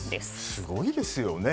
すごいですよね。